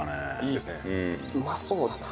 あっうまそうだな。